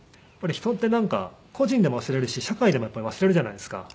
人ってなんか個人でも忘れるし社会でもやっぱり忘れるじゃないですか。